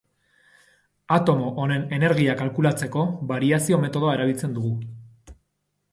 Atomo honen energia kalkulatzeko, bariazio metodoa erabiltzen dugu.